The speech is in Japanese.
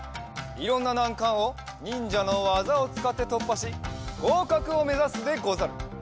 いろんななんかんをにんじゃのわざをつかってとっぱしごうかくをめざすでござる！